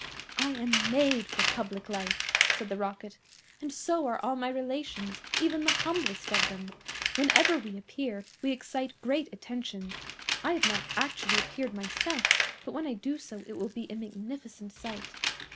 "I am made for public life," said the Rocket, "and so are all my relations, even the humblest of them. Whenever we appear we excite great attention. I have not actually appeared myself, but when I do so it will be a magnificent sight.